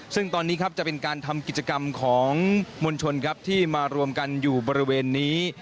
ซึ่งตอนนี้ครับจะเป็นการทำกิจกรรมของมวลชนครับที่มารวมกันอยู่บริเวณนี้